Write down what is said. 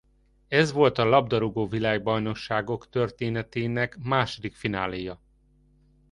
Ez volt a labdarúgó-világbajnokságok történetének második fináléja.